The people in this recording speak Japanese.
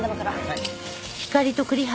はい。